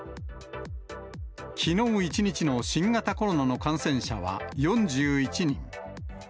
きのう１日の新型コロナの感染者は４１人。